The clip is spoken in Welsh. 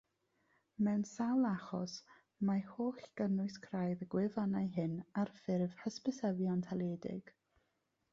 Mewn sawl achos mae holl gynnwys craidd y gwefannau hyn ar ffurf hysbysebion taledig.